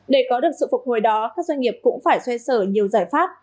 để có được sự phục hồi đó các doanh nghiệp cũng phải xoay sở nhiều giải pháp